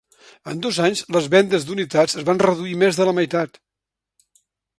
En dos anys, les vendes d'unitats es van reduir més de la meitat.